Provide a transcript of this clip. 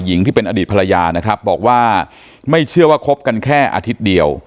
ที่เป็นอดีตภรรยานะครับบอกว่าไม่เชื่อว่าคบกันแค่อาทิตย์เดียว